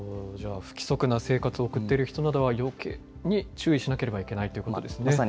じゃあ不規則な生活を送っている人などは、よけいに注意しなければいけないということですね。